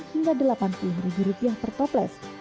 hingga delapan puluh ribu rupiah per toples